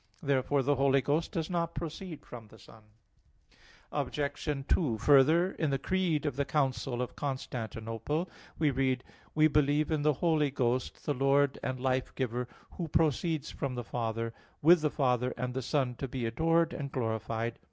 Therefore the Holy Ghost does not proceed from the Son. Obj. 2: Further, In the creed of the council of Constantinople (Can. vii) we read: "We believe in the Holy Ghost, the Lord and Life giver, who proceeds from the Father; with the Father and the Son to be adored and glorified."